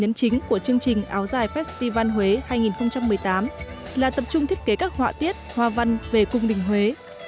nhấn chính của chương trình áo dài festival huế hai nghìn một mươi tám là tập trung thiết kế các họa tiết hoa văn về cung đình huế